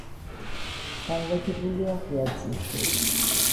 განლაგებულია ღია ცის ქვეშ.